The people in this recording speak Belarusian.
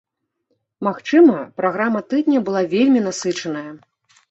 Магчыма, праграма тыдня была вельмі насычаная.